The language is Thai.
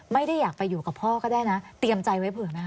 ไม่ได้อยากไปอยู่กับพ่อก็ได้นะเตรียมใจไว้เผื่อไหมค